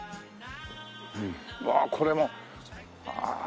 うわあこれも。ああ！